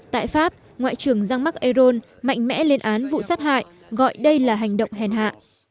tại pháp ngoại trưởng jean marc ayron mạnh mẽ lên án vụ sát hại gọi đây là hành động hèn hạ